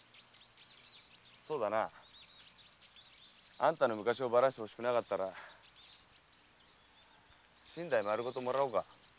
〔そうだな。あんたの昔をばらしてほしくなかったら身代丸ごともらおうか〕